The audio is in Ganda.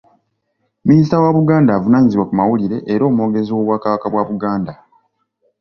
Minisita wa Buganda avunaanyizibwa ku mawulire era omwogezi w’Obwakabaka bwa Buganda.